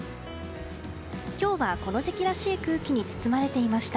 今日は、この時期らしい空気に包まれていました。